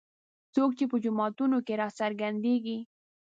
څوک چې په جوماتونو کې راڅرګندېږي.